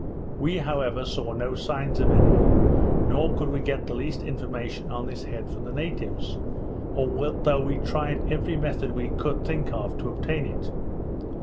We, however, saw no signs of any, nor could we get the least information on this head from the natives, although we tried every method we could think of to obtain it.